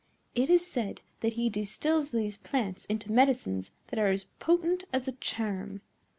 It is said that he distils these plants into medicines that are as potent as a charm.